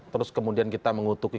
terus kemudian kita mengutuki